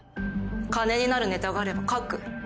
金になるネタがあれば書く。